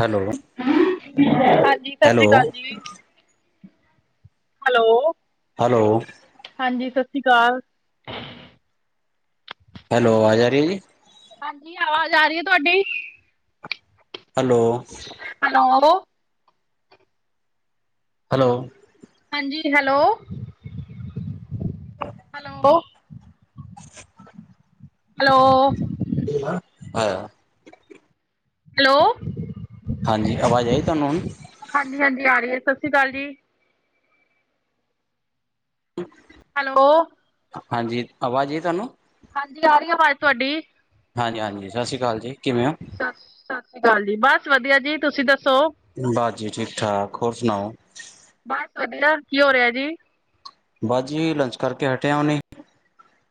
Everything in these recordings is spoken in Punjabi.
ਹੈਲੋ ਹਾਂਜੀ ਸਤਿ ਹੈਲੋ ਸ੍ਰੀ ਅਕਾਲ ਜੀ ਹੈਲੋ ਹੈਲੋ ਹਾਂਜੀ, ਸਤਿ ਸ਼੍ਰੀ ਅਕਾਲ। ਹੈਲੋ ਆਵਾਜ਼ ਰਹੀ ਜੀ। ਹਾਂਜੀ, ਆਵਾਜ਼ ਆ ਰਹੀ ਹੈ ਤੁਹਾਡੀ ਹੈਲੋ ਹੈਲੋ ਹੈਲੋ ਹਾਂਜੀ, ਹੈਲੋ-ਹੈਲੋ ਹੈਲੋ ਆਇਆ ਹੈਲੋ ਹਾਂਜੀ, ਆਵਾਜ਼ ਆਈ ਤੁਹਾਨੂੰ ਹੁਣ ਹਾਂਜੀ, ਹਾਂਜੀ ਆ ਰਹੀ ਹੈ ਸਤਿ ਸ੍ਰੀ ਅਕਾਲ ਜੀ। [unintelligible] ਹੈਲੋ ਹਾਂਜੀ, ਆਵਾਜ਼ ਆ ਰਹੀ ਤੁਹਾਨੂੰ? ਹਾਂਜੀ, ਆ ਰਹੀ ਆਵਾਜ਼ ਤੁਹਾਡੀ। ਹਾਂਜੀ, ਹਾਂਜੀ ਸਤਿ ਸ਼੍ਰੀ ਅਕਾਲ ਜੀ ਕਿਵੇਂ ਹੋ? ਸਤ ਸਤਿ ਸ੍ਰੀ ਅਕਾਲ ਜੀ, ਬਸ ਵਧੀਆ ਜੀ, ਤੁਸੀਂ ਦੱਸੋ? ਬਸ ਜੀ ਠੀਕ ਠਾਕ ਹੋਰ ਸੁਣਾਓ? ਬਸ ਵਧੀਆ, ਕੀ ਹੋ ਰਿਹਾ ਜੀ? ਬਸ ਜੀ, ਲੰਚ ਕਰਕੇ ਹਟੇ ਆ ਹੁਣੇ।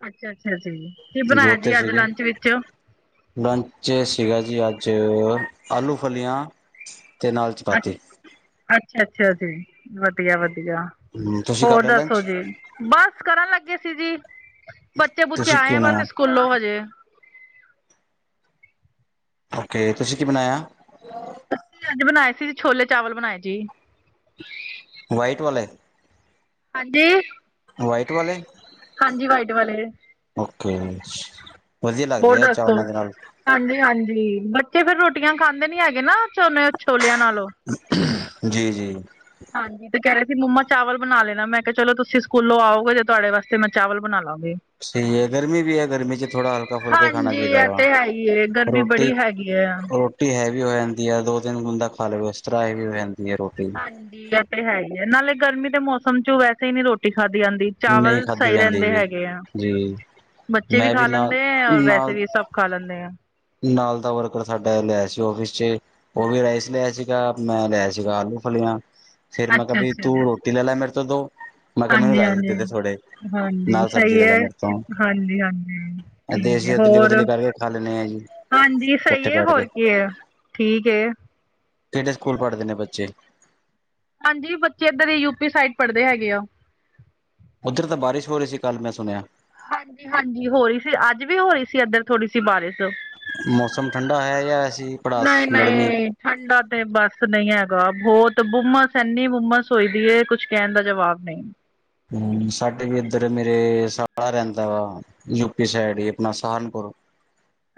ਅੱਛਾ, ਅੱਛਾ ਜੀ ਕੀ ਬਣਾਇਆ ਜੋਬ ਤੇ ਜੀ ਅੱਜ ਸੀਗੇ ਲੰਚ ਵਿੱਚ? ਲੰਚ ਸੀਗਾ ਜੀ ਅੱਜ ਆਲੂ -ਫਲੀਆਂ ਅਤੇ ਨਾਲ ਚਪਾਤੀ। ਅੱਛਾ, ਅੱਛਾ ਜੀ ਵਧੀਆ, ਵਧੀਆ ਹਮ ਤੁਸੀਂ ਕਰ ਹੋਰ ਲਿਆ ਦੱਸੋ ਲੰਚ ਜੀ। ਬਸ ਕਰਨ ਲੱਗੇ ਸੀ ਜੀ। ਬੱਚੇ-ਬੁੱਚੇ ਤੁਸੀਂ ਕੀ ਆਏ ਬਣਾਇਆ ਬਸ ਸਕੂਲੋਂ ਹਜੇ। ਓਕੇ, ਤੁਸੀਂ ਕੀ ਬਣਾਇਆ? ਅਸੀਂ ਅੱਜ ਬਣਾਏ ਸੀ ਛੋਲੇ- ਚਾਵਲ ਬਣਾਏ ਜੀ। ਵਾਈਟ ਵਾਲੇ? ਹਾਂਜੀ। ਵਾਈਟ ਵਾਲੇ? ਹਾਂਜੀ, ਵਾਈਟ ਵਾਲੇ। ਓਕੇ ਵਧੀਆ ਹੋਰ ਲੱਗਦੇ ਆ। ਦੱਸੋ ਚਾਵਲਾਂ ਦੇ ਨਾਲ ਹਾਂਜੀ, ਹਾਂਜੀ ਬੱਚੇ ਫਿਰ ਰੋਟੀਆਂ ਖਾਂਦੇ ਨੀ ਹੈਗੇ ਨਾ ਛੋਲਿਆਂ ਨਾਲ। ਜੀ, ਜੀ ਹਾਂਜੀ ਤੇ ਕਹਿ ਰਹੇ ਸੀ ਮੰਮਾ ਚਾਵਲ ਬਣਾ ਲੈਣਾ ਮੈਂ ਕਿਹਾ ਚਲੋ ਤੁਸੀਂ ਸਕੂਲੋਂ ਆਓਗੇ। ਤਾਂ ਮੈ ਤੁਹਾਡੇ ਵਾਸਤੇ ਮੈਂ ਚਾਵਲ ਬਣਾ ਲਵਾਂਗੀ। ਸਹੀ ਹੈ ਗਰਮੀ ਵੀ ਹੈ ਗਰਮੀ ਚ' ਥੋੜਾ ਹਲਕਾ ਫੁਲਕਾ ਹੀ ਖਾਣਾ ਹਾਂਜੀ ਚਾਹੀਦਾ ਇਹ ਵਾ ਤੇ ਹੈ ਹੀ ਹੈ ਗਰਮੀ ਰੋਟੀ ਬੜੀ ਹੈਗੀ ਹੈ ਰੋ- ਰੋਟੀ ਹੈਵੀ ਹੋ ਜਾਂਦੀ ਹੈ ਦੋ-ਤਿੰਨ ਗੁੰਦਾ ਖਾ ਲਵੇ ਉਸ ਤਰ੍ਹਾਂ ਹੈ ਵੀ ਹੋ ਜਾਂਦੀ ਹੈ ਰੋਟੀ ਹਾਂਜੀੇ, ਇਹ ਤਾ ਹੈ ਹੀ ਏ ਨਾਲੇ ਗਰਮੀ ਦੇ ਮੌਸਮ ਚ' ਵੈਸੇ ਹੀ ਨਹੀਂ ਰੋਟੀ ਖਾਧੀ ਜਾਂਦੀ। ਨਹੀਂ ਚਾਵਲ ਖਾਧੀ ਸਹੀ ਜਾਂਦੀ ਰਹਿੰਦੇ ਜੀ ਹੈਗੇ ਆ ਜੀ ਬੱਚੇ ਵੀ ਮੈਂ ਖਾ ਨਾਲ ਲੈਂਦੇ ਹੈ। ਔਰ ਵੈਸੇ ਨਾਲ ਵੀ ਸਭ ਖਾ ਲੈਦੇ ਆਂ। ਨਾਲ ਦਾ ਵਰਕਰ ਸਾਡਾ ਲਿਆਇਆ ਸੀ ਆਫਿਸ ਚ' ਉਹ ਵੀ ਰਾਈਸ ਲਿਆਇਆ ਸੀਗਾ ਮੈਂ ਲਿਆ ਸੀਗਾ ਆਲੂ -ਫਲੀਆਂ ਫੇਰ ਮੈ ਕਿਆ ਅੱਛਾ ਬਈ ਅੱਛਾ ਤੂੰ ਜੀ ਰੋਟੀ ਲੈ ਲੈ ਮੇਰੇ ਤੋ ਦੋ ਮੈਂ ਕਿਹਾ, ਮੈਨੂੰ ਹਾਂਜੀ ਰਾਈਸ ਦੇ ਹਾਂਜੀ ਦੇ ਥੋੜੇ ਹਾਂਜੀ ਨਾਲ ਸਬਜ਼ੀ ਸਹੀ ਲੈ ਲੈ ਹੈ ਮੇਰੇ ਹਾਂਜੀ ਹਾਂਜੀ ਤੋਂ ਠੀਕ ਹੈ ਦੇਸੀ ਅਦਲੀ ਹੋਰ ਬਦਲੀ ਕਰਕੇ ਖਾ ਲੈਂਦੇ ਆਂ ਜੀ ਹਾਂਜੀ, ਸਹੀ ਇਕੱਠੇ ਏ ਬੈਠ ਕੇ ਹੋਰ ਕੀ ਹੈ ਠੀਕ ਏ ਕਿਹੜੇ ਸਕੂਲ ਪੜ੍ਹਦੇ ਨੇ ਬੱਚੇ ਹਾਂਜੀ, ਬੱਚੇ ਇੱਧਰ ਹੀ ਯੂਪੀ ਸਾਈਡ ਪੜ੍ਹਦੇ ਹੈਗੇ ਆ ਉੱਧਰ ਤਾਂ ਬਾਰਿਸ਼ ਹੋ ਰਹੀ ਸੀ ਕੱਲ੍ਹ ਮੈਂ ਸੁਣਿਆ ਹਾਂਜੀ, ਹਾਂਜੀ ਹੋ ਰਹੀ ਸੀ ਅੱਜ ਵੀ ਹੋ ਰਹੀ ਸੀ ਇੱਧਰ ਥੋੜੀ ਸੀ ਬਾਰਿਸ਼ ਮੌਸਮ ਠੰਡਾ ਹੈ ਜਾਂ ਐਸੀ ਪੜਾਸ ਨਹੀਂ, ਗਰਮੀ ਨਹੀਂ ਠੰਡਾ ਤੇ ਬਸ ਨਹੀਂ ਹੈਗਾ ਬਹੁਤ ਹੁੰਮਸ ਇਨੀ ਹੁੰਮਸ ਹੋਈ ਦੀ ਕੁਝ ਕਹਿਣ ਦਾ ਜਵਾਬ ਨਹੀਂ ਹਮ ਸਾਡੇ ਵੀ ਇੱਧਰ ਮੇਰੇ ਸਾਲਾ ਰਹਿੰਦਾ ਵਾ ਯੂ ਪੀ ਸਾਈਡ ਹੀ ਆਪਣਾ ਸਹਾਰਨਪੁਰ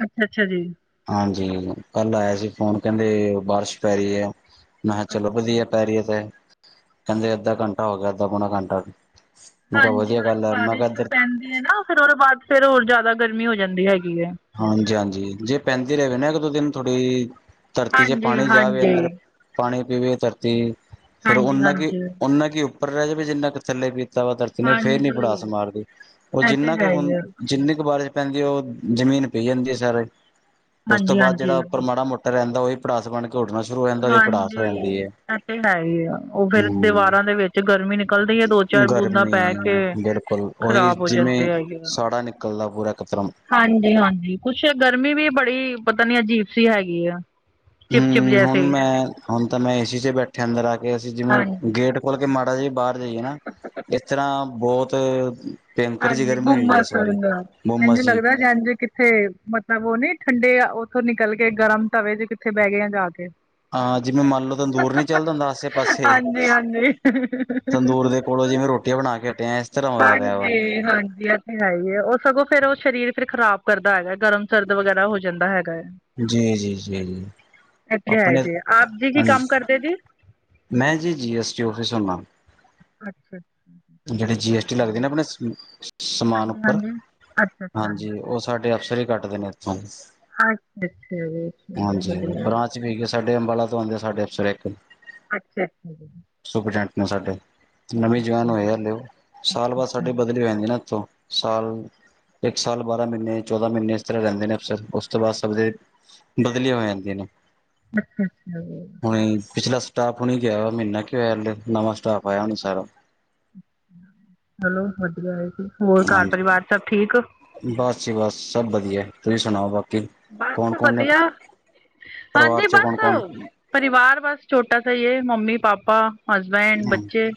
ਅੱਛਾ-ਅੱਛਾ ਜੀ ਹਾਂਜੀ ਕੱਲ ਆਇਆ ਸੀ ਫੋਨ, ਕਹਿੰਦੇ ਬਾਰਿਸ਼ ਪੈ ਰਹੀ ਹੈ ਮੈਂ ਕਿਹਾ ਚਲੋ ਅੱਛਾ ਵਧੀਆ ਪੈ ਰਹੀ ਹੈ ਤੇ ਕਹਿੰਦੇ ਅੱਧਾ ਘੰਟਾ ਹੋ ਗਿਆ ਅੱਧਾ ਪੌਣਾ ਘੰਟਾ ਮੈੰ ਕਿਹਾ ਵਧੀਆ ਗੱਲ ਮੈਂ ਤੇ ਨਾ ਫਿਰ ਉਹਦੇ ਬਾਅਦ ਫੇਰ ਹੋਰ ਜ਼ਿਆਦਾ ਗਰਮੀ ਹੋ ਜਾਂਦੀ ਹੈਗੀ ਹੈ ਹਾਂਜੀ -ਹਾਂਜੀ ਜੇ ਪੈਂਦੀ ਰਹੇ ਨਾ, ਇੱਕ ਦੋ ਦਿਨ ਥੋੜ੍ਹੀ ਧਰਤੀ ਜੇ ਹਾਂਜੀ ਪਾਣੀ ਜਾਵੇ ਹਾਂਜੀ ਅੰਦਰ ਪਾਣੀ ਪੀਵੇ ਧਰਤੀ ਫਿਰ ਹਾਂਜੀ ਉਨਾ ਕਿ ਹਾਂਜੀ ਓਨਾ ਕੀ ਉੱਪਰ ਰਹਿ ਜਾਵੇ ਜਿੰਨਾ ਕੁ ਥੱਲੇ ਪੀ ਵਾ ਧਰਤੀ ਨੇ ਫੇਰ ਨੀ ਹਾਂਜੀ ਭੜਾਸ ਮਾਰਦੀ ਉਹ ਇਹ ਤੇ ਜਿੰਨਾ ਕੁ ਹੈ ਹੀ ਹੁਣ ਆ ਜਿੰਨੀ ਕੁ ਬਾਰਿਸ਼ ਪੈਂਦੀ ਉਹ ਜ਼ਮੀਨ ਪੀ ਜਾਂਦੀ ਹੈ ਸਾਰੇ, ਉਸ ਤੋਂ ਹਾਂਜੀ ਬਾਅਦ ਜਿਹੜਾ ਹਾਂਜੀ ਉੱਪਰ ਮਾੜਾ ਮੋਟਾ ਰਹਿੰਦਾ ਉਹਹੀ ਭੜਾਸ ਬਣ ਕੇ ਘੋਟਣਾ ਸ਼ੁਰੂ ਹੋ ਜਾਂਦਾ ਤੇ ਭੜਾਸ ਹੋ ਹਾਂਜੀ ਜਾਂਦੀ ਹੈ ਇਹ ਤੇ ਹੈ ਹੀ ਆ ਉਹ ਫੇਰ ਹਮ ਦੀਵਾਰਾਂ ਦੇ ਵਿੱਚ ਗਰਮੀ ਨਿਕਲਦੀ ਹੈ ਦੋ ਚਾਰ ਬੂੰਦਾਂ ਪੈ ਗਰਮੀ ਕੇ ਬਿਲਕੁਲ ਉਹੀ ਖ਼ਰਾਬ ਹੋ ਜਿਵੇਂ ਜਾਂਦੇ ਸਾਡਾ ਨਿਕ ਇਕੱਲ ਦਾ ਪੂਰਾ ਖਤਰਮ ਹਾਂਜੀ-ਹਾਂਜੀ, ਕੁਛ ਗਰਮੀ ਵੀ ਬੜੀ ਪਤਾ ਨੀ ਅਜੀਬ ਸੀ ਹੈਗੀ ਆ ਚਿਪ ਚਿਪ ਹਮ ਹੁਣ ਜੈਸੇ ਮੈਂ ਹੁਣ ਤਾਂ ਮੈਂ ਏਸੀ ਚ ਬੈਠਿਆ ਅੰਦਰ ਆ ਕੇ ਅਸੀਂ ਜਿਵੇਂ ਹਾਂਜੀ ਗੇਟ ਖੋਲ ਕੇ ਮਾੜਾ ਜਿਹਾ ਬਾਹਰ ਜਾਈਏ ਨਾ ਇਸ ਤਰ੍ਹਾਂ ਬਹੁਤ- ਭਿਅੰਕਰ ਜਿਹੀ ਹਾਂਜੀ ਗਰਮੀ ਹੋਈ ਹੈ ਇਸ ਗੁਮਸ ਵਾਰੀ ਦਾ ਇੰਝ ਬੋਮਸ ਜੀ ਲੱਗਦਾ ਜ ਥੇ ਮਤਲਬ ਉਹ ਨੀ ਠੰਡੇ ਉੱਥੋਂ ਨਿਕਲ ਕੇ ਗਰਮ ਤਵੇ ਜ ਕਿੱਥੇ ਬਹਿ ਗਏ ਆ ਜਾ ਕੇ ਹਾਂ ਜਿਵੇਂ ਮੰਨ ਲਓ ਤੰਦੂਰ ਨੀ ਚੱਲਦਾ ਹੁੰਦਾ ਆਸੇ-ਪਾਸੇ ਹਾਂਜੀ-ਹਾਂਜੀ ਤੰਦੂਰ ਦੇ ਕੋਲੋਂ ਜਿਵੇਂ ਰੋਟੀਆਂ ਬਣਾ ਕੇ ਹਟਿਆ ਇਸ ਤਰ੍ਹਾਂ ਹੋਇਆ ਪਿਆ ਵਾ ਹਾਂਜੀ ਹਾਂਜੀ ਇਹ ਤੇ ਹੈ ਹੀ ਹੈ ਉਹ ਸਗੋਂ ਫਿਰ ਉਹ ਸਰੀਰ ਫਿਰ ਖ਼ਰਾਬ ਕਰਦਾ ਹੈਗਾ ਗਰਮ ਸਰਦ ਵਗੈਰਾ ਹੋ ਜਾਂਦਾ ਹੈਗਾ ਹੈ ਜੀ ਜੀ ਜੀ ਜੀ ਅੱਛਾ ਆਪਣੇ ਜੀ' ਆਪ ਜੀ ਕੀ ਹਾਂਜੀ, ਕੰਮ ਕਰਦੇ ਜੀ ਮੈਂ ਜੀ-ਜੀ ਐੱਸ ਟੀ ਔਫਿਸ ਹੁੰਦਾ ਅੱਛਾ-ਅੱਛਾ ਜਿਹੜੇ ਜੀ ਐਸ ਟੀ ਲੱਗਦੇ ਨਾ ਆਪਣੇ ਸਮਾਨ ਹਾਂਜੀ ਉੱਪਰ ਹਾਂਜੀ ਅੱਛਾ ਅੱਛਾ ਜੀ ਹਾਂਜੀ ਉਹ ਸਾਡੇ ਅਫਸਰ ਹੀ ਕੱਟਦੇ ਨੇ ਇੱਥੋਂ ਅੱਛਾ-ਅੱਛਾ ਜੀ ਵਧੀਆ ਜਿਵੇ ਸਾਡੇ ਅੰਬਾਲਾ ਤੋਂ ਆਉਂਦੇ ਆ ਸਾਡੇ ਅਫਸਰ ਇੱਕ ਅੱਛਾ-ਅੱਛਾ ਜੀ ਸੁਪਰੀਡੈਟ ਨੂੰ ਸਾਡੇ, ਨਵੀ ਜਵਾਨ ਇਹ ਲਿਓ ਸਾਲ ਬਾਅਦ ਅੱਛਾ ਸਾਡੀ ਬਦਲੀ ਹੋ ਜਾਂਦੀ ਨਾ ਇੱਥੋਂ ਸਾਲ ਇੱਕ ਸਾਲ, ਬਾਰਾਂ ਮਹੀਨੇ, ਚੌਦਾਂ ਮਹੀਨੇ ਇਸ ਤਰ੍ਹਾਂ ਰਹਿੰਦੇ ਨੇ ਅਫਸਰ ਉਸ ਤੋਂ ਬਾਅਦ ਸਭ ਦੇ ਬਦਲੀਆਂ ਹੋ ਜਾਂਦੀਆਂ ਨੇ, ਅੱਛਾ ਅੱਛਾ ਜੀ ਹੁਣ ਪਿਛਲਾ ਸਟਾਫ ਹੁਣੀ ਗਿਆ ਮਹੀਨਾ ਕਿ ਹੋਇਆ ਨਵਾ ਸਟਾਫ ਆਇਆ ਹੁਣ ਸਾਰਾ ਚਲੋ ਵਧੀਆ ਹੈ ਹੋਰ ਘਰ ਹਾਂਜੀ ਪਰਿਵਾਰ ਸਭ ਠੀਕ ਬਸ ਜੀ ਬਸ ਸਭ ਵਧੀਆ ਤੁਸੀਂ ਸੁਣਾਓ ਬਾਕੀ ਕੌਣ ਬਸ ਕੌਣ ਨੇ ਵਧੀਆ, ਪਰਿਵਾਰ ਹਾਂਜੀ ਚ ਕੌਣ ਬਸ ਕੌਣ ਪਰਿਵਾਰ ਬਸ ਛੋਟਾ ਸਹੀ ਹੈ ਮੰਮੀ, ਪਾਪਾ, ਹਸਬੈਂਡਤੇ ਬੱਚੇ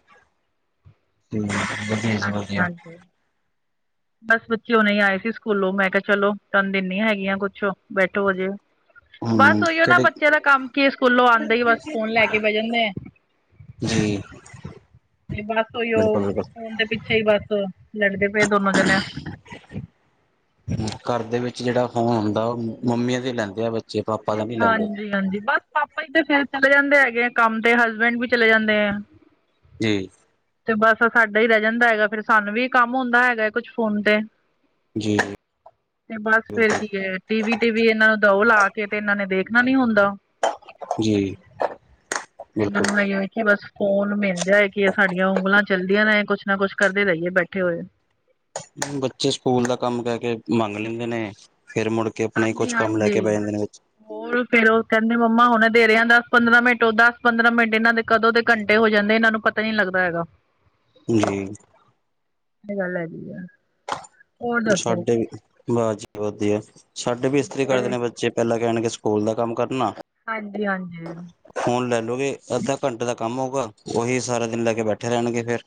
ਹਮ ਹਾਂਜੀ-ਹਾਂਜੀ ਬਸ ਬੱਚੇ ਹਨੇ ਆਏ ਸੀ ਸਕੂਲੋਂ ਮੈਂ ਕਿਹਾ ਚਲੋ ਤਹਾਨੂੰ ਦਿਨ ਹੈਗੀਆਂ ਕੁਛ ਬੈਠੋ ਹਜੇ ਬਸ ਹਮ ਉਹੀਓ ਨਾ ਤੁਹਾਡੇ ਬੱਚੇ ਦਾ ਕੰਮ ਕੀ ਸਕੂਲੋਂ ਆਉਂਦਾ ਹੀ ਬਸ ਫੋਨ ਲੈ ਕੇ ਬਹਿ ਜਾਂਦੇ ਆ ਜੀ ਤੇ ਬਸ ਉਹੀ ਉਹ ਬਿਲਕੁਲ ਬਿਲਕੁਲ ਫੋਨ ਦੇ ਪਿੱਛੇ ਹੀ ਬਸ ਲੜਦੇ ਪਏ ਦੋਨੋ ਜਣੇ ਘਰ ਦੇ ਵਿੱਚ ਜਿਹੜਾ ਫੋਨ ਹੁੰਦਾ ਉਹ ਮੰਮੀਆਂ ਤੇ ਲੈਂਦੇ ਆ ਜੇ ਪਾਪਾ ਨਹੀਂ ਲੈਂਦੇ ਹਾਂਜੀ-ਹਾਂਜੀ ਬਸ ਪਾਪਾ ਹੀ ਤੇ ਫੇਰ ਚਲੇ ਜਾਂਦੇ ਹੈਗੇ ਆ ਕੰਮ ਤੇ ਹਸਬੈਂਡ ਵੀ ਚਲੇ ਜਾਂਦੇ ਆ ਜੀ ਤੇ ਬਸ ਸਾਡਾ ਹੀ ਰਹਿ ਜਾਂਦਾ ਹੈਗਾ ਫੇਰ ਸਾਨੂੰ ਵੀ ਕੰਮ ਹੁੰਦਾ ਹੈਗਾ ਹੈ ਕੁਛ ਫੋਨ ਤੇ ਜੀ ਤੇ ਬਸ ਫੇਰ ਬਿਲਕੁਲ ਕੀ ਹੈ ਟੀ ਵੀ ਟੀ ਵੀ ਇਹਨਾਂ ਨੂੰ ਦਓ ਲਾ ਕੇ ਤੇ ਇਹਨਾਂ ਨੇ ਦੇਖਣਾ ਨੀ ਹੁੰਦਾ ਜੀ ਬਿਲਕੁਲ ਇਹਦਨੂੰ ਹੈਗੀ ਹੋ ਕਿ ਬਸ ਫੋਨ ਮਿਲ ਜਾਏ ਕਿ ਸਾਡੀਆਂ ਉਂਗਲਾਂ ਚੱਲਦੀਆਂ ਰਹੇ ਕੁੱਛ ਨਾ ਕੁੱਛ ਕਰਦੇ ਰਹੀਏ ਬੈਠੇ ਹੋਏ ਬੱਚੇ ਸਕੂਲ ਦਾ ਕੰਮ ਕਹਿ ਕੇ ਮੰਗ ਲੈਂਦੇ ਨੇ ਫੇਿਰ ਮੁੜ ਕਿ ਆਪਣਾ ਹੀ ਹਾਂਜੀ ਕੁਛ ਕੰਮ ਲੈ ਕੇ ਹਾਂਜੀ ਪੈ ਜਾਂਦੇ ਨੇ ਵਿੱਚ ਹੋਰ ਫੇਰ ਉਹ ਕਹਿੰਦੇ ਮੰਮਾ ਹੁਣ ਦੇ ਰਿਹਾ ਦਸ ਪੰਦਰਾਂ ਮਿੰਟ ਉਹ ਦਸ ਪੰਦਰਾਂ ਮਿੰਟ ਇਹਨਾਂ ਦੇ ਕਦੋਂ ਦੇ ਘੰਟੇ ਹੋ ਜਾਂਦੇ ਇਹ ਨੂੰ ਪਤਾ ਨੀ ਲੱਗਦਾ ਹੈਗਾ ਜੀ ਇਹ ਗੱਲ ਹੈਗੀ ਆ ਹੋਰ ਦੱਸੋ ਸਾਡੇ ਵੀ ਬਸ ਜੀ ਵਧੀਆ ਸਾਡੇ ਵੀ ਇਸਤਰੀ ਕਰਦੇ ਨੇ ਬੱਚੇ ਪਹਿਲਾਂ ਕਹਿਣਗੇ ਸਕੂਲ ਦਾ ਕੰਮ ਕਰਨਾ ਹਾਂਜੀ ਹਾਂਜੀ ਫੋਨ ਲੈ ਲੋਗੇ ਅੱਧਾ ਘੰਟੇ ਦਾ ਕੰਮ ਹੋਊਗਾ ਉਹੀ ਸਾਰਾ ਦਿਨ ਲੈ ਕੇ ਬੈਠੇ ਰਹਿਣਗੇ ਫੇਰ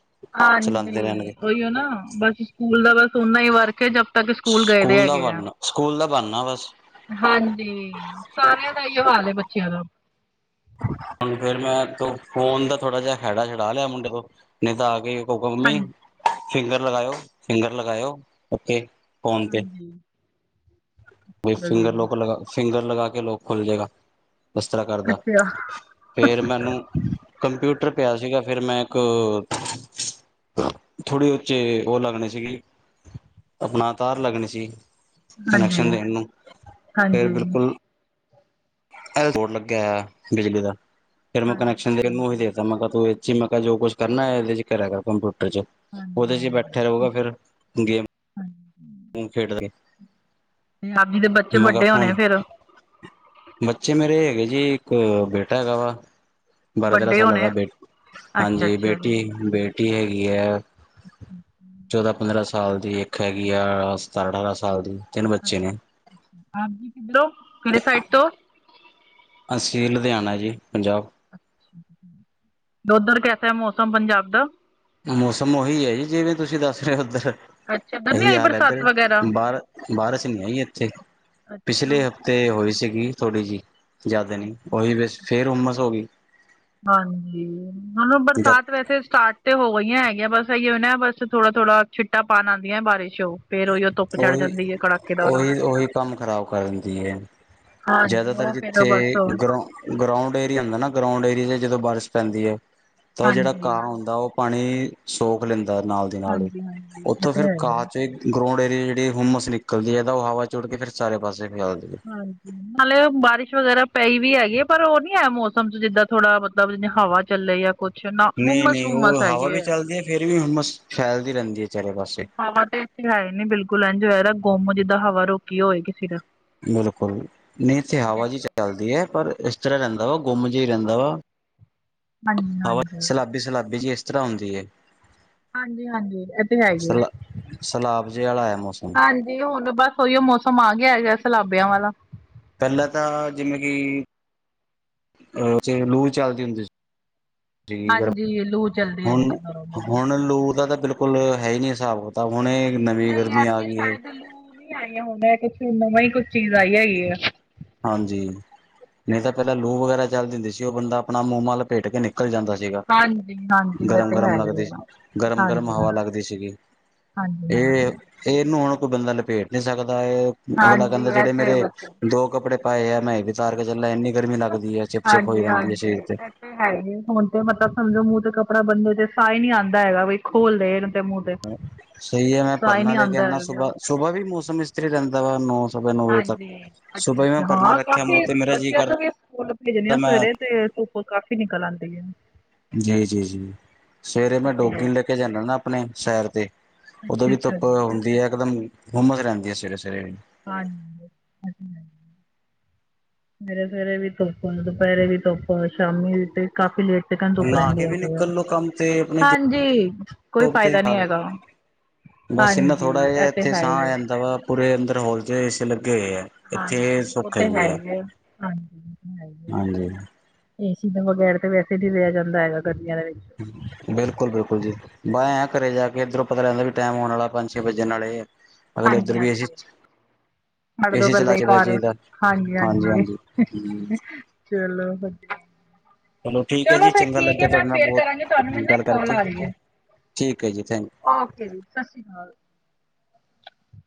ਚਲਾਉਂਦੇ ਰਹਿਣਗੇ ਹਾਂਜੀ ਉਹੀਓ ਨਾ ਬਸ ਸਕੂਲ ਦਾ ਬਸ ਓਨਾ ਹੀ ਵਰਕ ਜਦ ਤੱਕ ਸਕੂਲ ਗਏ ਦੇ ਦਾ ਹੈਗੇ ਆ ਬਣਨਾ ਸਕੂਲ ਦਾ ਬਹਾਨਾ ਬਸ ਹਾਂਜੀ ਸਾਰਿਆਂ ਦਾ ਹਾਲ ਹੈ ਬੱਚਿਆਂ ਦਾ ਹੁਣ ਫੇਿਰ ਮੈਂ ਤੂੰ ਫ਼ੋਨ ਦਾ ਥੋੜਾ ਜਿਹਾ ਖੈੜਾ ਛਡਾ ਲਿਆ ਮੁੰਡੇ ਤੋਂ ਨਹੀਂ ਤਾਂ ਆ ਕੇ ਕਹੂਗਾ ਮੰਮੀ। ਹਾਂਜੀ ਫਿੰਗਰ ਲਗਾਇਓ ਫਿੰਗਰ ਲਗਾਇਓ ਉਓੇ ਫੋਨ ਤੇ ਹਮ ਬਈ ਫਿੰਗਰ ਲਗਾ ਫਿੰਗਰ ਲਗਾ ਕੇ ਲੋਕ ਖੁੱਲ ਜਾਏਗਾ ਇਸ ਤਰ੍ਹਾਂ ਕਰਦਾ ਅੱਛਾ ਫੇਿਰ ਮੈਨੂੰ ਕੰਪਿਊਟਰ ਪਿਆ ਸੀਗਾ ਫਿਰ ਮੈਂ ਇੱਕ ਥੋੜ੍ਹੀ ਉਚੇ ਉਹ ਲੱਗਣੇ ਸੀਗੀ ਆਪਣਾ ਤਾਰ ਲੱਗਣੀ ਸੀ ਹਾਂਜੀ ਕਨੈਕਸ਼ਨ ਦੇਣ ਨੂੰ ਫਿਰ ਹਾਂਜੀ ਬਿਲਕੁਲ ਇਹ ਬੋਰਡ ਲੱਗਿਆ ਹੋਇਆ ਬਿਜਲੀ ਦਾ ਫਿਰ ਮੈਂ ਹਾਂਜੀ ਕਨੈਕਸ਼ਨ ਦੇ ਨੂੰ ਦੇਤਾ ਮ ਤੂੰ ਮੈਂ ਜੋ ਕੁਛ ਕਰਨਾ ਹੈ ਕਰ ਕਰ ਕ ਕੰਪਿਊਟਰ ਚ ਹਾਂਜੀ ਹਾਂਜੀ ਉਹਦੇ ਚ ਬੈਠਿਆ ਰਹੂਗਾ ਫੇਿਰ ਹਾਂਜੀ ਗੇਮ ਖੇਡ ਆਪ ਜੀ ਦੇ ਬੱਚੇ ਵੱਡੇ ਹੁਣ ਹੋਣੇ ਫੇਰ ਬੱਚੇ ਮੇਰੇ ਹੈਗੇ ਜੀ ਇੱਕ ਬੇਟਾ ਹੈਗਾ ਵਾ ਬਾਰਾਂ ਦਰਾ ਵੱਡੇ ਸਾਲਾਂ ਦਾ ਹੋਣੇ ਬੇ ਅੱਛਾ ਹਾਂਜੀ ਅੱਛਾ ਬੇਟੀ ਜੀ ਬੇਟੀ ਹੈਗੀ ਹੈ ਚੌਦਾਂ ਪੰਦਰਾਂ ਸਾਲ ਦੀ ਇੱਕ ਹੈਗੀ ਆ ਸਤਾਰਾਂ ਅਠਾਰਾਂ ਸਾਲ ਦੀ ਤਿੰਨ ਬੱਚੇ ਨੇ ਹਾਂਜੀ ਕਿੱਧਰੋਂ ਕਿ੍ਹੇ ਸਾਈਡ ਤੋਂ ਅਸੀਂ ਲੁਧਿਆਣਾ ਜੀ ਪੰਜਾਬ ਉੱਧਰ ਕੈਸਾ ਮੌਸਮ ਪੰਜਾਬ ਦਾ ਮੌਸਮ ਉਹੀ ਹੈ ਜੀ ਜਿਵੇਂ ਤੁਸੀਂ ਦੱਸ ਰਹੇ ਹੋ ਉੱਧਰ ਅੱਛਾ ਇੱਧਰ ਨੀ ਇਹੀ ਆਈ ਹਾਲ ਹੈ ਬਰਸਾਤ ਇਧਰ ਵਗੈਰਾ ਬਾਰ ਬਾਰਿਸ਼ ਨਹੀਂ ਆਈ ਇੱਥੇ ਅੱਛਾ ਪਿਛਲੇ ਤੇ ਹੋਈ ਸੀਗੀ ਥੋੜੀ ਜਿਹੀ ਜਦ ਨ ਉਹੀ ਬ ਫੇਰ ਉਮਸ ਹੋ ਗਈ ਹਾਂਜੀ ਹੁਣ ਜਦ ਬਰਸਾਤ ਵੈਸੇ ਸਟਾਰਟ ਤੇ ਹੋ ਗਈਆਂ ਹੈਗੀਆਂ, ਬਸ ਇਓ ਨਾ ਬਸ ਥੋੜਾ ਥੋੜਾ ਛਿੱਟਾ ਪਾਉਣ ਆਉਂਦੀਆਂ ਬਾਰਿਸ਼ ਉਹ ਫੇਰ ਉਹੀ ਧੁੱਪ ਚੜ ਉਹੀ ਜਾਂਦੀ ਹੈ ਕੜਾਕੇਦਾਰ ਉਹੀ ਉਹੀ ਕੰਮ ਖਰਾਬ ਕਰਨ ਦੀ ਹੈ। ਹਾਂਜੀ ਜ਼ਿਆਦਾਤਰ ਉਹ ਫੇਰ ਜਿੱਥੇ ਬਸ ਗਰੋਂ ਗਰਾਉਂਡ ਏਰੀਆ ਹੁੰਦਾ ਨਾ, ਗਰਾਉਂਡ ਏਰੀਆ ਚ ਜਦੋਂ ਬਾਰਿਸ਼ ਪੈਂਦੀ ਹੈ ਤਾਂ ਉਹ ਜਿਹੜਾ ਹਾਂਜੀ ਘਾਹ ਹੁੰਦਾ ਉਹ ਪਾਣੀ ਸੋਖ ਲੈਂਦਾ ਨਾਲ ਦੀ ਨਾਲ ਹੀ, ਹਾਂਜੀ ਹਾਂਜੀ ਇਹ ਉੱਥੋਂ ਤੇ ਫਿਰ ਹੈ ਹੀ ਹੈ ਘਾਹ ਚ ਗਰਾਊਂਡ ਏਰੀਏ ਜਿਹੜੀ ਹੁੰਮਸ ਨਿਕਲਦੀ ਹੈ, ਤਾਂ ਉਹ ਹਵਾ ਚੁੜ ਕੇ ਫਿਰ ਸਾਰੇ ਪਾਸੇ ਫੈਲਦੀ ਹੈ। ਹਾਂਜੀ ਹਾਲੇ, ਬਾਰਿਸ਼ ਵਗੈਰਾ ਪਈ ਵੀ ਹੈਗੀ ਹੈ, ਪਰ ਉਹ ਨਈ ਹੈ ਮੌਸਮ, ਚ ਜਿੱਦਾਂ ਥੋੜਾ ਮਤਲਬ ਜਿਂ ਹਵਾ ਚੱਲੇ, ਆ ਕੁਛ ਨਾ, ਹੁਮਸ ਹੁਮਸ ਹੈੱਗੀ ਐ ਫ਼ੇਰ ਵੀ ਹੁੰਮਸ ਫੈਲਦੀ ਰਹਿੰਦੀ ਚਾਰੇ ਪਾਸੇ ਹਵਾ ਤੇ ਏਨੀ ਹੈ ਨਈ, ਬਿਲਕੁਲ ਇੱਜ ਹੋਆ ਦਾ ਗੁੰਮ, ਜਿੱਦਾਂ ਹਵਾ ਰੋਕੀ ਹੋਏ, ਕਿਸੇ ਨੇ ਬਿਲਕੁਲ, ਨਹੀਂ ਹਵਾ ਜਿ ਚੱਲਦੀ ਹੈ, ਪਰ ਇਸ ਤਰ੍ਹਾਂ ਰਹਿੰਦਾ ਵਾ, ਗੁੰਮ ਜਿ ਰਹਿੰਦਾ ਵਾ, ਹਾਂਜੀ ਹਵਾ, ਹਾਂਜੀ ਸਲਾਬੀ ਸਲਾਬੀ ਜਿਹੀ ਇਸ ਤਰ੍ਹਾਂ ਹੁੰਦੀ ਹੈ। ਹਾਂਜੀ ਹਾਂਜੀ, ਇਹ ਤੇ ਹੈ ਈ ਹੈ, ਸਲਾ ਸਲਾਬ ਜੇ ਵਾਲਾ ਹੈ ਮੌਸਮ ਹਾਂਜੀ ਹੁਣਬਸ ਉਹੀਓ ਮੌਸਮ, ਆ ਗਿਆ ਹੈਗਾ, ਸਲਾਬਿਆਂ ਵਾਲਾ, ਪਹਿਲਾਂ ਤਾਂ, ਜਿਵੇਂ ਕਿ ਲੂ ਚੱਲਦੀ ਹੁੰਦੀ ਸੀ। ਠੀਕ ਹੈ, ਹਾਂਜੀ ਲੂ ਚੱਲਦੀ ਹੈਗੀ ਹੁਣ, ਸੀ ਦਰੋਂ ਮਰੋਂ। ਹੁਣ ਲੂ ਦਾ, ਤਾਂ ਬਿਲਕੁਲ ਬਿਲਕੁਲ, ਹੈ ਹੀ ਨਈ ਹਿਸਾਬ ਕਿਤਾਬ, ਹੁਣ ਇਹ ਨਵੀਂ ਗਰਮੀ, ਆ ਗਈ ਏ ਹੁਣੇ ਈ ਆਈ ਹਾਂ, ਬੈਕੇ ਦੇਖ਼ ਰਹੀ, ਕੋਈ ਨਵੀ ਹ ਚੀਜ਼ ਆਈ ਹੈਗੀ ਆ ਹਾਂਜੀ, ਨਹੀਂ ਤਾਂ ਪਹਿਲਾਂ ਲੂ ਵਗੈਰਾ ਚੱਲਦੀ ਹੁੰਦੀ ਸੀ, ਉਹ ਬੰਦਾ ਆਪਣਾ ਮੂੰਹ ਮ ਲਪੇਟ ਕੇ ਨਿਕਲ ਨਿਕਲ ਜਾਂਦਾ ਸੀਗਾ। ਹਾਂਜੀ ਹਾਂਜੀ ਇਹ ਗਰਮ ਤੇ ਗਰਮ ਹੈ ਹੀ ਲੱਗਦੀ, ਆ। ਗਰਮ ਗਰਮ ਹਾਂਜੀ ਹਵਾ ਹਾਂਜੀ ਲੱਗਦੀ ਸੀਗੀ। ਹਾਂਜੀ ਇਹ ਹਾਂਜੀ। ਇਹਨੂੰ ਹੁਣ ਕੋਈ ਬੰਦਾ ਲਪੇਟ ਨਹੀਂ ਸਕਦਾ ਏ, ਇਹ ਅਗਲਾ ਹਾਂਜੀ ਕਹਿੰਦਾ, ਇਹ ਜਿਹੜੇ ਤੇ ਮੇਰੇ ਬੱਚੋ ਦੋ ਕੱਪੜੇ ਪਾਏ ਐ, ਮੈਂ ਉਤਾਰ ਕੇ ਚੱਲਾ, ਇੰਨੀ ਗਰਮੀ ਲੱਗਦੀ ਹੈ, ਚਿਪ ਚਿਪ ਹੋਈ ਹਾਂਜੀ ਰਹਿੰਦੀ ਹੈ ਹਾਂਜੀ ਸਰੀਰ ਤੇ, ਇਹ ਹੈ ਹੀ ਐ, ਹੁਣ ਤੇ ਮਤਲਬ ਸਮਝੋ ਮੂੰਹ ਤੇ ਕੱਪੜਾ ਬੰਦੇ ਦੇ, ਸਾਹ ਹੀ ਨਹੀਂ ਆਉਂਦਾ ਹੈਗਾ, ਬਈ ਖੋਲ ਦੇ ਸਹੀ ਹੈ, ਮੈਂ ਪਰਨਾ ਲੈ ਕੇ ਆਉਂਦਾ ਆਨਾ, ਹੈਗਾ ਸੁਬਾਹ ਸੁਬਾਹ ਵੀ ਮੌਸਮ ਇਸਤਰਾ ਰਹਦਾ ਵਾ ਸਵਾ ਨੌ ਵਜੇ ਤੱਕ। ਹਾਂਜੀ, ਅੱਛਾ ਸੁਬਾਹ ਹੀ ਮੈਂ ਅੱਛਾ, ਪਰਨਾ ਹਾਂ ਰੱਖਿਆ ਮੂੰਹ ਕਾਫੀ ਤੇ ਮੇਰਾ ਜੀਅ ਬੱਚਿਆਂ ਨੂੰ ਕਰਦਾ ਵੀ ਸਕੂਲ ਭੇਜਣੀ ਆ ਮੈਂ ਸਵੇਰੇ, ਤੇ ਧੁੱਪ ਕਾਫ਼ੀ ਨਿਕਲ ਆਉਂਦੀ ਏ ਜੀ, ਜੀ-ਜੀ ਸਵੇਰੇ ਮੈਂ ਅੱਛਾ ਡੋਗੀ ਨੂੰ ਲ ਲੈ ਕੇ ਜਾਂਦੇ ਨਾ ਆਪਣੇ ਸੈਰ ਤੇ, ਉਦੋਂ ਵੀ ਅੱਛਾ ਧੁੱਪ ਜੀ ਹੁੰਦੀ ਹੈ ਇਕਦਮ ਹੁੰਮਸ, ਰਹਿੰਦੀ ਏ ਸਵੇਰੇ ਸਵੇਰੇ ਹਾਂਜੀ ਸਵੇਰੇ ਸਵੇਰੇ ਵੀ ਧੁੱਪ, ਦੁਪਹਿਰੇ ਵੀ ਧੁੱਪ, ਦ ਸ਼ਾਮੀ ਵੀ, ਤੇ ਕਾਫ਼ੀ ਲੇਟ ਤਿਕਣ ਧੁੱਪ ਨਹਾ ਕੇ ਰਹਿੰਦੇ ਵੀ ਹੈਗੀ ਐ, ਨਿਕਲੋ ਕੰਮ ਤੇ ਆਪਣੇ ਹਾਂਜੀ ਕੋਈ ਜੋਬ ਤੇ ਫਾਇਦਾ ਨਹੀਂ ਹੈਗਾ। ਬਸ ਇੰਨਾ ਥੋੜਾ ਹਾਂਜੀ, ਜਿਹਾ ਇਹ ਤੇ ਇੱਥੇ ਹੈ ਸਾਹ ਹੀ ਆ ਹੈ ਜਾਂਦਾ ਵਾ ਪੂਰੇ ਅੰਦਰ ਹੋਲ ਚ, ਏ ਸੀ, ਲੱਗੇ ਹੋਏ ਹੈ। ਇੱਥੇ ਹਾਂਜੀ ਉਹ ਸੁੱਖ ਤੇ ਹੈਗੀ ਹੈ, ਹੀ ਹਾਂਜੀ। ਏ ਸੀ ਦੇ ਬਗੈਰ, ਤੇ ਵੈਸੇ ਨੀ ਰਿਹਾ ਜਾਂਦਾ ਹੈਗਾ, ਗ਼ਰਮੀਆਂ ਦੇ ਵਿੱਚ ਬਿਲਕੁਲ ਬਿਲਕੁਲ ਜੀ। ਬੈ ਆ ਘਰੇ ਜਾ ਕੇ ਇੱਧਰੋਂ ਪਤਾ ਲੱਗਦਾ, ਵੀ ਟਾਈਮ ਹੋਣ ਵਾਲਾ, ਪੰਜ ਛੇ ਵਜੇ ਨਾਲੇ ਐ। ਅਗਲੇ, ਇੱਧਰ ਵੀ ਏ ਸੀ, ਚ ਹਾੜ ਦੋ ਪਹਿਲਾ ਹੀ ਪਾ ਰਹੇ, ਹਾਂਜੀ ਹਾਂਜੀ। ਚਲੋ, ਵਧੀਆ ਠੀਕ ਹੈ ਚਲੋ ਜੀ ਫਿਰ ਚੰਗਾ ਠੀਕ ਹੈ, ਲੱਗਿਆ ਮੈਂ ਤੁਹਾਡੇ ਨਾਲ ਫੇਰ ਬਹੁਤ ਕਰਾਂਗੀ ਤੁਹਾਨੂੰ, ਮੈਨੂੰ ਗੱਲ ਕੋਲ ਕਰਕੇ ਆ ਰਹੀ ਹੈ। ਠੀਕ ਹੈ ਜੀ ਥੈਂਕ ਔਕੇ ਜੀ, ਸਤਿ ਸ਼੍ਰੀ ਅਕਾਲ।